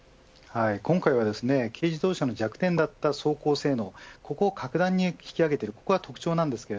今回は軽自動車の弱点だった走行性能を格段に引き上げている所が特徴です。